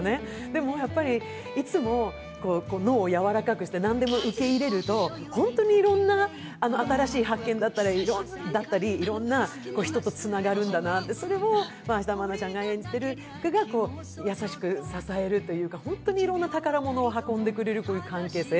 でもいつも脳をやわらかくして何でも受け入れると、本当に新しい発見だったり、いろんな人とつながるんだなって、それを芦田愛菜ちゃんが演じてるうららが支えて本当にいろんな宝物を運んでくれるという関係性。